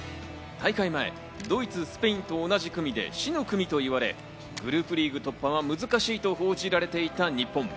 大会前、ドイツ、スペインと同じ組で死の組と言われ、グループリーグ突破は難しいと報じられていた日本。